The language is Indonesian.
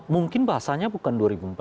mungkin bahasanya bukan dua ribu empat belas